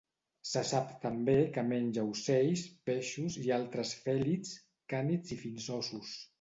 Se sap també que menja ocells, peixos, i altres fèlids, cànids i fins óssos.